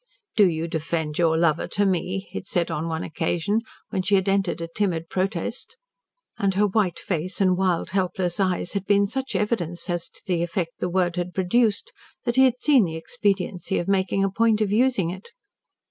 "Do you defend your lover to me," he had said on one occasion, when she had entered a timid protest. And her white face and wild helpless eyes had been such evidence as to the effect the word had produced, that he had seen the expediency of making a point of using it.